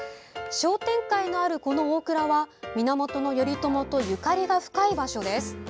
商店会のあるこの大蔵は源頼朝とゆかりが深い場所です。